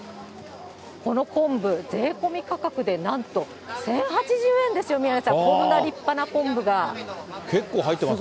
この昆布、税込み価格でなんと１０８０円ですよ、宮根さん、結構入ってますね。